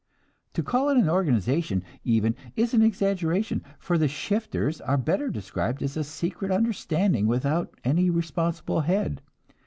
"To call it an organization even is exaggeration, for the 'shifters' are better described as a secret understanding without any responsible head.